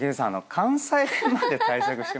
関西弁まで対策してましたけど。